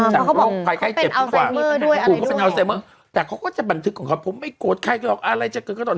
เพราะเขาบอกเขาเป็นอัลไซมเมอร์ด้วยแต่เขาก็จะบันทึกของเขาผมไม่โกรธใครก็ยอมอะไรจะเกิดก็ต้อง